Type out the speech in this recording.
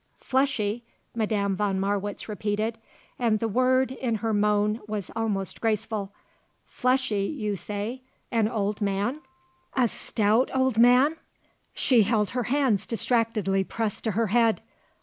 "Fleshy?" Madame von Marwitz repeated, and the word, in her moan, was almost graceful. "Fleshy, you say? An old man? A stout old man?" she held her hands distractedly pressed to her head.